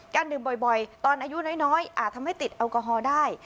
ดื่มบ่อยตอนอายุน้อยอาจทำให้ติดแอลกอฮอล์ได้